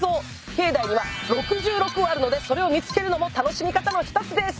境内には６６あるのでそれを見つけるのも楽しみ方の一つです。